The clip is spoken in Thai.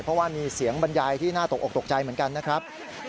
เพราะว่ามีเสียงบรรยายที่น่าตกออกตกใจเหมือนกันนะครับ